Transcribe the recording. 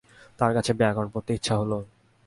তাঁর কাছে ব্যাকরণ পড়তে ইচ্ছা হল।